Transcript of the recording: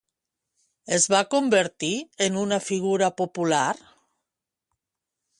Es va convertir en una figura popular?